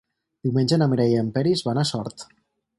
Diumenge na Mireia i en Peris van a Sort.